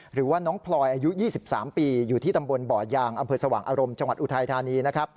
หรือว่าน้องพลอยอายุ๒๓ปี